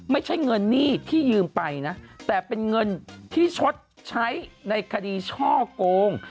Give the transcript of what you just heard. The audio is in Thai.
ไม่ใช่เงินหนี้ที่ยืมไปนะแต่เป็นเงินที่ชดใช้ในคดีช่อโกง